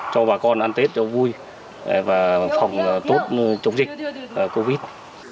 cho bà con ăn tết cho vui và phòng tốt chống dịch covid